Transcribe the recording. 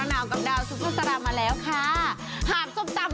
หนาวกลับดาวซุปเซวย์พอพอสารามาแล้วค่ะหาบสบจำ